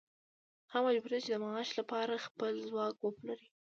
هغه مجبور دی چې د معاش لپاره خپل ځواک وپلوري